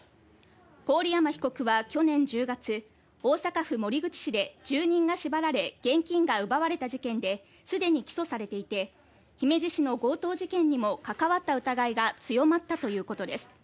郡山被告は去年１０月、大阪府守口市で住人が縛られ現金が奪われた事件ですでに起訴されていて、姫路市の強盗事件にも関わった疑いが強まったということです。